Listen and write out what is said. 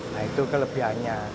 nah itu kelebihannya